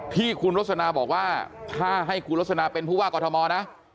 พี่คุณรสนาบอกว่าถ้าให้คุณรสนาเป็นผู้ว่ากอร์ธมอตนะ